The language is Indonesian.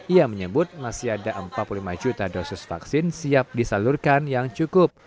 ia menyebut masih ada empat puluh lima juta dosis vaksin siap disalurkan yang cukup